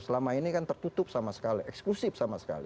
selama ini kan tertutup sama sekali eksklusif sama sekali